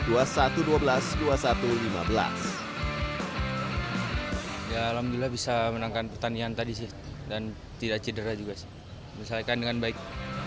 ya alhamdulillah bisa menangkan pertanian tadi sih dan tidak cedera juga sih misalkan dengan baik